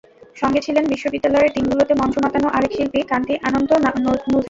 সঙ্গে ছিলেন বিশ্ববিদ্যালয়ের দিনগুলোতে মঞ্চ মাতানো আরেক শিল্পী কান্তি আনন্ত্য নুজহাত।